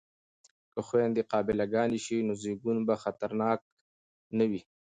که خویندې قابله ګانې شي نو زیږون به خطرناک نه وي.